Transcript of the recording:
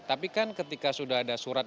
tapi kan ketika sudah ada surat